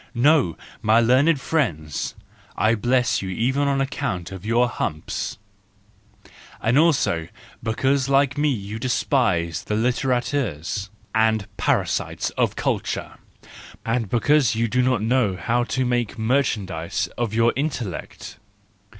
—No, my learned friends! I bless you even on account of your humps! And also because like me you despise the litterateurs and parasites of culture! And because you do not know how to make merchandise of your intellect!